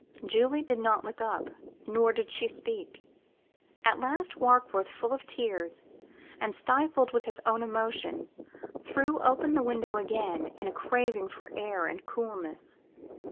Julie did not look up, nor did she speak. At last, Warkworth, full of tears, and stifled with his own emotions, threw open the window again in a craving for air and coolness.